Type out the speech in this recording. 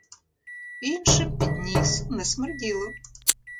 Іншим під ніс не смерділо.